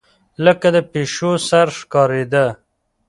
لکه د پيشو سر ښکارېدۀ